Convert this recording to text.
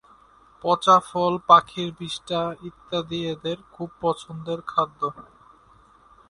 পচা ফল, পাখির বিষ্ঠা ইত্যাদি এদের খুব পছন্দের খাদ্য।